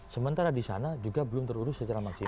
sementara di sana juga belum terurus secara maksimal